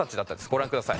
ご覧ください。